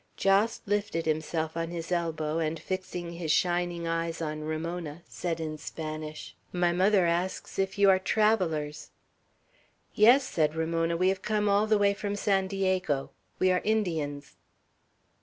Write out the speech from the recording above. Jos lifted himself on his elbow, and fixing his shining eyes on Ramona, said in Spanish, "My mother asks if you are travellers?" "Yes," said Ramona. "We have come all the way from San Diego. We are Indians."